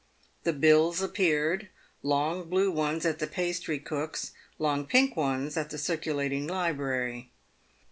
The bills appeared. Long blue ones at the pastrycook's ; long pink 318 PAYED WITH GOLD. ones at the circulating library.